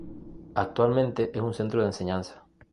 Actualmente es un centro de enseñanza.